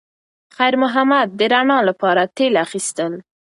خیر محمد د رڼا لپاره تېل اخیستل.